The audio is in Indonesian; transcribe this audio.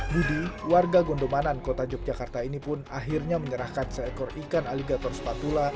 jadi warga gondomanan kota yogyakarta ini pun akhirnya menyerahkan seekor ikan aligator sepatula